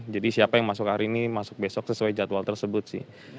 jadi siapa yang masuk hari ini masuk besok sesuai jadwal tersebut sih